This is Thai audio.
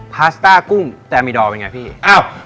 พาซ่ากุ้งแต่มีดอว์เป็นไงพี่